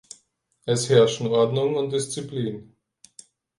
Es herrschen Ordnung und Disziplin.